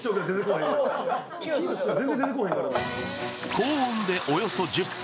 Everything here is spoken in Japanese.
高温でおよそ１０分。